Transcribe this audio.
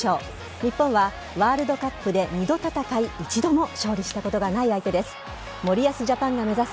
日本はワールドカップで２度戦い一度も勝利したことがない相手です。